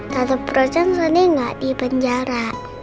tante frozen sedih gak di penjara